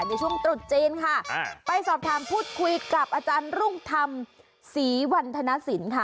ในช่วงตรุษจีนค่ะไปสอบถามพูดคุยกับอาจารย์รุ่งธรรมศรีวันธนสินค่ะ